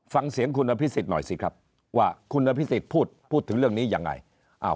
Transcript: ฟังเสียงคุณอภิษฎหน่อยสิครับว่าคุณอภิษฎพูดพูดถึงเรื่องนี้ยังไง